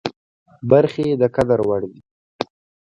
برخې د قدر وړ دي.